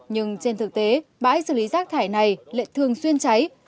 nhưng trên thực tế bãi xử lý rác thải này lại thường xuyên cháy